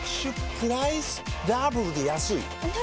プライスダブルで安いＮｏ！